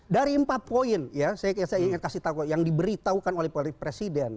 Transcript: dari empat poin ya saya ingin kasih tahu yang diberitahukan oleh presiden